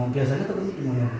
biasanya ketemu sama bapak